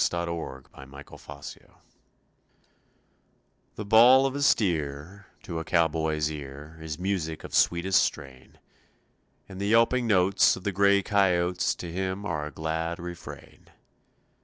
] THE COWBOY'S LIFE The bawl of a steer, To a cowboy's ear, Is music of sweetest strain; And the yelping notes Of the gray cayotes To him are a glad refrain.